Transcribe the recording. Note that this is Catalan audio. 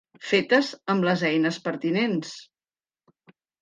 Fetes amb les eines pertinents.